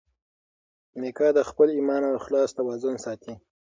میکا د خپل ایمان او اخلاص توازن ساتي.